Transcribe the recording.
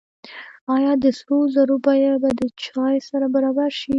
آیا د سرو زرو بیه به د چای سره برابره شي؟